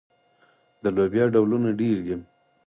د لوبیا ډولونه ډیر دي.